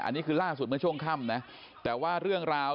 อันนี้คือล่าสุดเมื่อช่วงค่ำนะแต่ว่าเรื่องราว